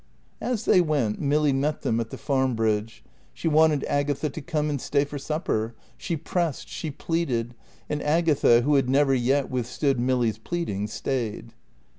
As they went Milly met them at the Farm bridge. She wanted Agatha to come and stay for supper; she pressed, she pleaded, and Agatha, who had never yet withstood Milly's pleading, stayed.